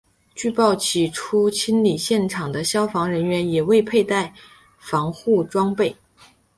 据报起初清理现场的消防人员也未佩戴防护装备。